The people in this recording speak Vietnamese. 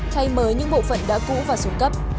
thay mới những bộ phận đã cũ và xuống cấp